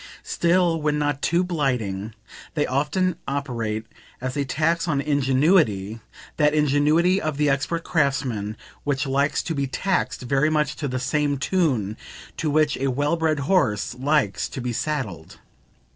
Still, when not too blighting, they often operate as a tax on ingenuity that ingenuity of the expert craftsman which likes to be taxed very much to the same tune to which a well bred horse likes to be saddled.